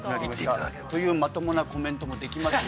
◆というまともなコメントもできますよ。